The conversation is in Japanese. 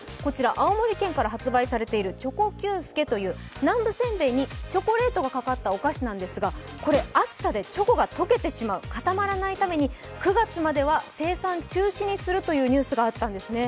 青森県から発売されているチョコＱ助という南部せんべいに、チョコレートがかかったものなんですが、これ、暑さでチョコが溶けてしまう固まらないために、９月までは生産中止にするというニュースがあったんですね。